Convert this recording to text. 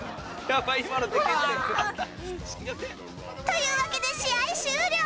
というわけで試合終了